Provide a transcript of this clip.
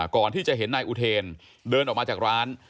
ก่อนที่จะเห็นนายอุเทนเดินออกมาจากร้าน